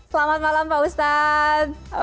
selamat malam pak ustadz